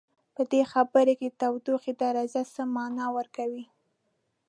په دې خبر کې د تودوخې درجه څه معنا ورکوي؟